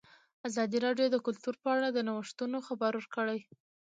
ازادي راډیو د کلتور په اړه د نوښتونو خبر ورکړی.